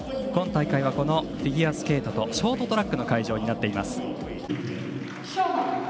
今大会は、フィギュアスケートとショートトラックの会場になっています。